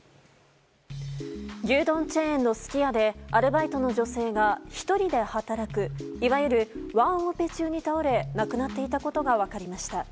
牛丼チェーンのすき家でアルバイトの女性が１人で働くいわゆるワンオペ中に倒れ亡くなっていたことが分かりました。